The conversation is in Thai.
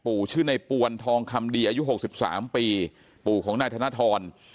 ชื่อในปวนทองคำดีอายุ๖๓ปีปู่ของนายธนทร